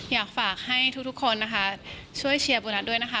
อยากฝากให้ทุกคนนะคะช่วยเชียร์โบนัสด้วยนะคะ